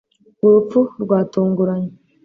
urupfu rwatunguranye